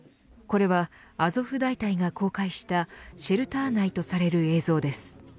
これはアゾフ大隊が公開したシェルター内とされる映像です。